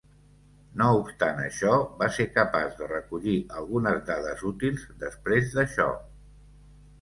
No obstant això, va ser capaç de recollir algunes dades útils després d'això.